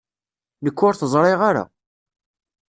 Nekk ur t-ẓriɣ ara.